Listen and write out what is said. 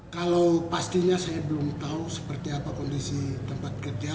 kalau pastinya saya belum tahu seperti apa kondisi tempat kerja